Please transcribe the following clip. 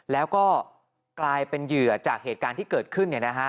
แล้วก็กลายเป็นเหยื่อจากเหตุการณ์ที่เกิดขึ้น